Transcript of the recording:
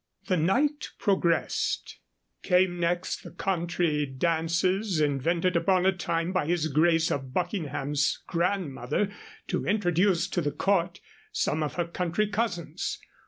The night progressed. Came next the country dances invented upon a time by his grace of Buckingham's grandmother to introduce to the court some of her country cousins.